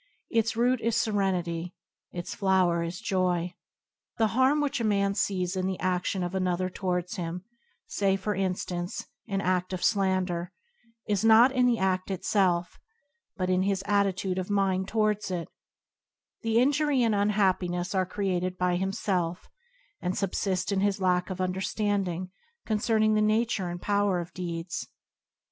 Its root is seren ity, its flower is joy. The harm which a man sees in the adion of another towards him — say, for instance, an ad of slander — is not in the ad: itself, but in his attitude of mind towards it; the injury and unhappiness are created by him self, and subsist in his lack of understanding concerning the nature and power of deeds.